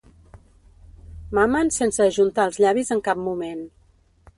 Mamen sense ajuntar els llavis en cap moment.